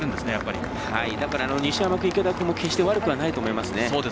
だから、西山君、池田君も決して、悪くはないと思います。